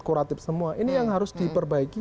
kuratif semua ini yang harus diperbaiki